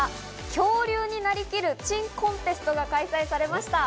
恐竜になりきる珍コンテストが開催されました。